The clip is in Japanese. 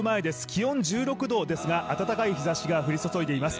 気温１６度ですが暖かい日ざしが降り注いでいます。